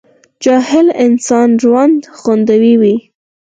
جاهل انسان رونډ غوندي وي